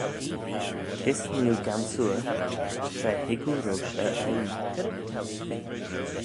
Kys nee oo gansoor tra hig oo roish e oaie?